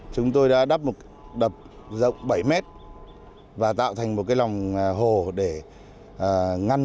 chúng tôi đã đắp một đập rộng bảy mét và tạo thành một cái lòng hồ để ngăn